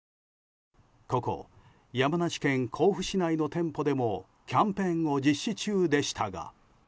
ここ山梨県甲府市内の店舗でもキャンペーンを実施中でしたが。